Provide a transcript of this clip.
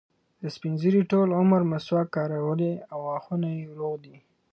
دې سپین ږیري ټول عمر مسواک کارولی او غاښونه یې روغ دي.